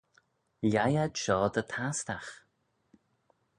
Lhaih ad shoh dy tastagh.